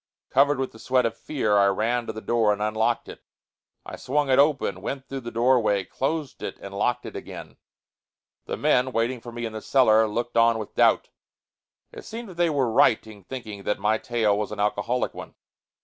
Covered with the sweat of fear, I ran to the door and unlocked it. I swung it open, went through the doorway, closed it and locked it again. The men, waiting for me in the cellar, looked on with doubt. It seemed that they were right in thinking that my tale was an alcoholic one.